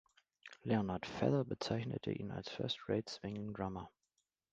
Leonard Feather bezeichnete ihn als "first-rate, swinging drummer".